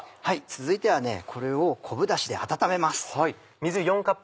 続いてはこれを昆布ダシで温めます。